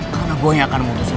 karena gue yang akan memutusin lo